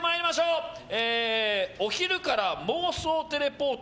続いて、お昼から！？妄想テレポート